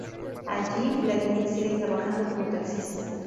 Allí, Vladimir sigue trabajando como taxista.